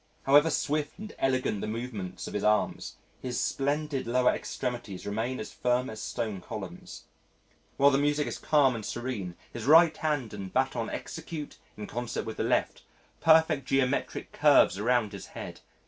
However swift and elegant the movements of his arms, his splendid lower extremities remain as firm as stone columns. While the music is calm and serene his right hand and baton execute in concert with the left, perfect geometric curves around his head.